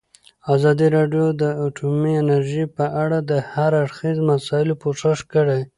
ازادي راډیو د اټومي انرژي په اړه د هر اړخیزو مسایلو پوښښ کړی.